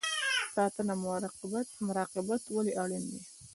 ساتنه او مراقبت ولې اړین دی؟